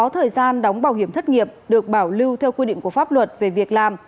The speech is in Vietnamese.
sáu thời gian đóng bảo hiểm thất nghiệp được bảo lưu theo quy định của pháp luật về việc làm